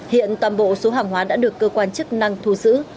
hiện toàn bộ số hàng hóa đã được cơ quan chức năng thu giữ